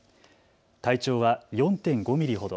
体長は４．５ミリほど。